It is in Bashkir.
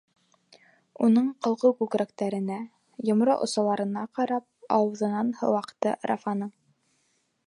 Уның ҡалҡыу күкрәктәренә, йомро осаларына ҡарап, ауыҙынан һыу аҡты Рафаның.